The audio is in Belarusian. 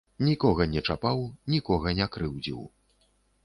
Нікога не чапаў, нікога не крыўдзіў.